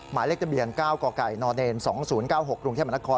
หมายเลขทะเบียน๙กกน๒๐๙๖กรุงเทพมนคร